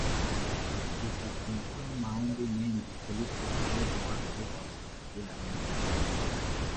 itafungua maombi mengi kuliko uwezo wake wa kuyamudu